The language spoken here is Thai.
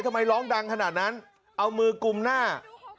ทำไมร้องดังขนาดนั้นเอามือกุมหน้า